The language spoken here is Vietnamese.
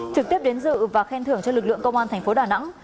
trực tiếp đến dự và khen thưởng cho lực lượng công an thành phố đà nẵng